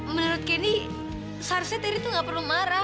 menurut candy seharusnya terry tuh gak perlu marah